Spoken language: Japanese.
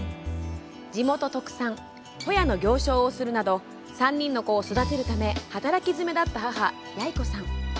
地元特産、ホヤの行商をするなど３人の子を育てるため働きづめだった母・やい子さん。